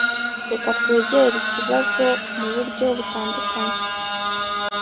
reka twegere ikibazo muburyo butandukanye